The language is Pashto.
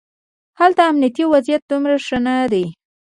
هلته امنیتي وضعیت دومره ښه نه دی.